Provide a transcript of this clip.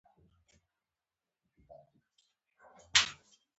وار په وار زیات شول.